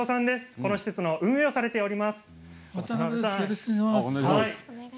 この施設の運営をされています。